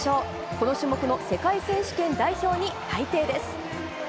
この種目の世界選手権代表に内定です。